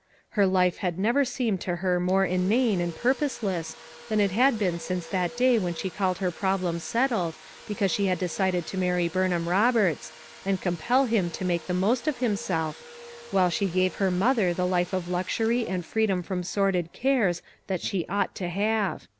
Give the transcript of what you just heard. Her life had never seemed to her more inane and purposeless than it had since that day when she called her problem settled because she had decided to marry Burn ham Eoberts, and compel him to make the most of himself, while she gave her mother the life of luxury and freedom from sordid cares that she ought to have.